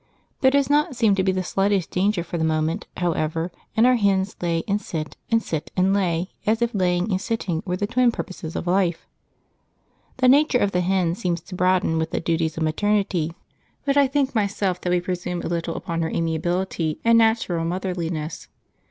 There does not seem to be the slightest danger for the moment, however, and our hens lay and sit and sit and lay as if laying and sitting were the twin purposes of life. {The mother goes off to bed: p28.jpg} The nature of the hen seems to broaden with the duties of maternity, but I think myself that we presume a little upon her amiability and natural motherliness.